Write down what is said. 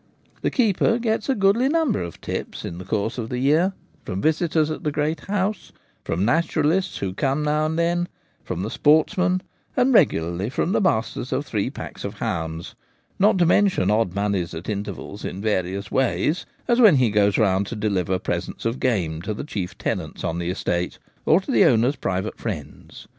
The keeper gets a goodly number of tips in the course of the year, from visitors at the great house, from naturalists who come now and then, from the sportsmen, and regularly from the masters of three packs of hounds ; not to mention odd moneys at intervals in various ways, as when he goes round to deliver presents of game to the chief tenants on the estate or to the owner's private friends.